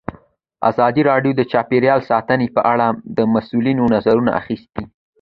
ازادي راډیو د چاپیریال ساتنه په اړه د مسؤلینو نظرونه اخیستي.